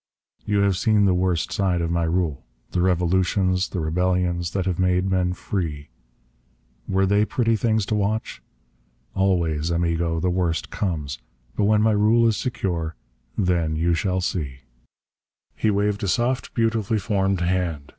You have seen the worst side of my rule. The revolutions, the rebellions that have made men free, were they pretty things to watch? Always, amigo, the worst comes. But when my rule is secure, then you shall see." He waved a soft, beautifully formed hand.